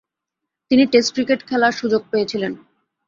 তিনি test cricket খেলার সুযোগ পেয়েছিলেন।